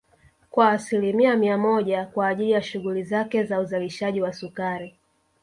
kwa asilimia mia moja kwa ajili ya shughuli zake za uzalishaji wa sukari